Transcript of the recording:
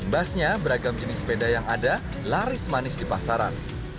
basnya beragam jenis sepeda yang ada laris manis di pasaran